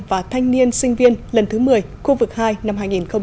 và thanh niên sinh viên lần thứ một mươi khu vực hai năm hai nghìn hai mươi